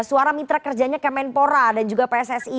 suara mitra kerjanya kayak menpora dan juga pssi